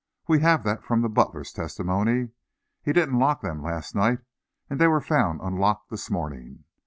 We have that from the butler's testimony. He didn't lock them last night; they were found unlocked this morning.